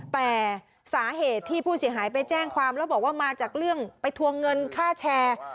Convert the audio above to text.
แต่สาเหตุที่ผู้เสียหายไปแจ้งความแล้วบอกว่ามาจากเรื่องไปทวงเงินค่าแชร์